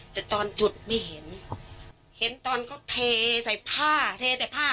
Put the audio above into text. แต่ตอนจุดไม่เห็นเห็นตอนเขาเทใส่ผ้าเทแต่ผ้า